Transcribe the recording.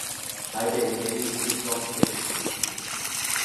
台北捷運新莊線